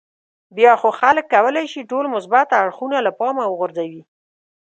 بیا خو خلک کولای شي ټول مثبت اړخونه له پامه وغورځوي.